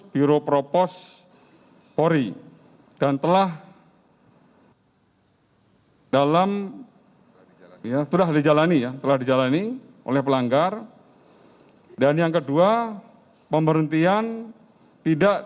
pemilu dan pemerintah